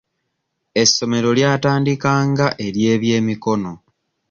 Essomero lyatandika nga ery'ebyemikono.